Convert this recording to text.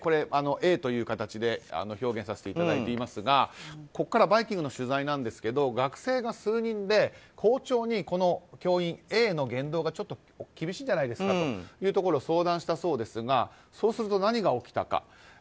Ａという形で表現させていただいていますがここから「バイキング」の取材ですが学生が数人で校長に、教員Ａの言動がちょっと厳しいんじゃないですかと相談したそうですがそうすると、何が起きたか。